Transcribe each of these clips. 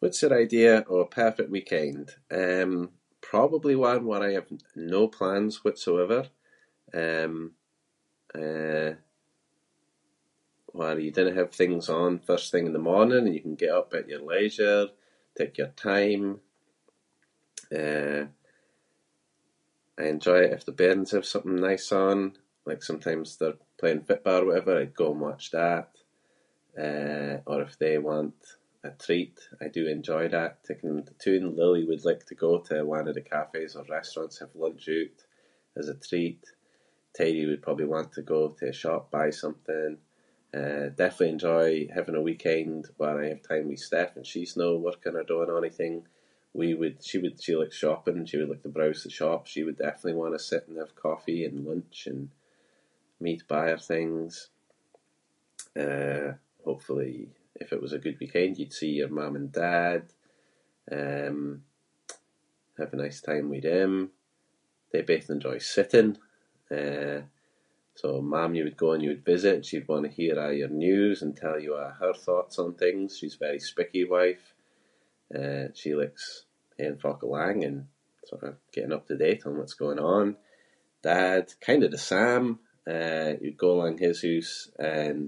What’s your idea of a perfect weekend? Um, probably one where I have no plans whatsoever. Um, eh, where you dinna have things on first thing in the morning and you can get up at your leisure, take your time. Eh, I enjoy it if the bairns have something nice on, like sometimes they’re playing footba’ or whatever- I'd go and watch that. Eh, or if they want a treat, I do enjoy that- taking them into toon. Lily would like to go to one of the cafes or restaurants, have lunch oot as a treat. Teddy would probably want to go to the shop buy something. Um, definitely enjoy having a weekend where I have time with Steph and she’s no working or doing onything. We would- she would- she likes shopping- she would like to browse the shops. She would definitely want to sit and have coffee and lunch and me’d buy her things. Eh, hopefully if it was a good weekend you’d see your mam and dad, um, have a nice time with them. They both enjoy sitting. Eh, so mam you would go and you would visit and she'd wanna hear a’ your news and tell you a’ her thoughts on things. She’s very speaky-wife. Eh, she likes haeing folk alang and sort of keeping up to date on what’s going on. Dad, kind of the same. Eh, you’d go alang his hoose and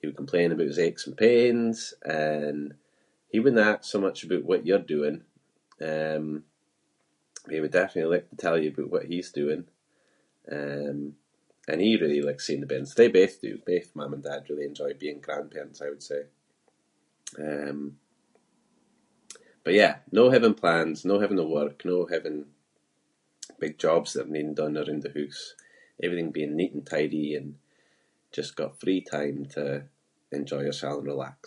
he would complain aboot his aches and pains and he wouldnae ask so much aboot what you’re doing. Um, but he would definitely like to tell you aboot what he’s doing. Um, and he really like seeing the bairns. They both do. Both mam and dad really enjoy being grandparents, I would say. Um, but yeah, no having plans, no having to work, no having big jobs that am needing done aroond the hoose. Everything being neat and tidy and just got free time to enjoy yoursel and relax.